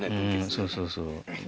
うんそうそうそう。